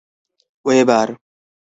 Weber.